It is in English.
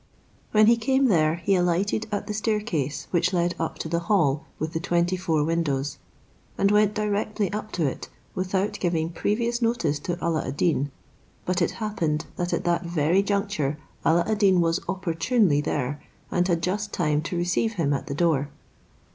When he came there, he alighted at the stair case, which led up to the hall with the twenty four windows, and went directly up to it, without giving previous notice to Alla ad Deen; but it happened that at that very juncture Alla ad Deen was opportunely there, and had just time to receive him at the door.